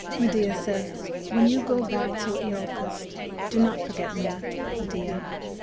Medea said: "When you go back to Iolcus do not forget me, Medea.